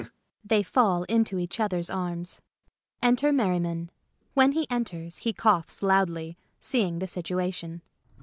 ] Darling! [They fall into each other's arms.] [Enter Merriman. When he enters he coughs loudly, seeing the situation.